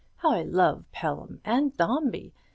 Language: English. how I love Pelham, and Dombey!